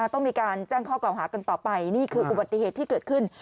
ต้องมีการแจ้งข้อกล่าวหากันต่อไปนี่คืออุบัติเหตุที่เกิดขึ้น